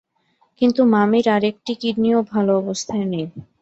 কিন্তু মামির আরেকটি কিডনিও ভালো অবস্থায় নেই।